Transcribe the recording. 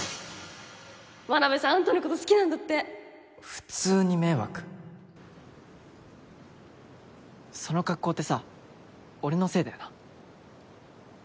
マナベさんあんたのこと好き普通に迷惑その格好ってさ俺のせいだよな。